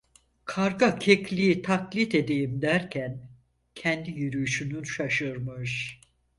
Karga kekliği taklit edeyim derken kendi yürüyüşünü şaşırmış.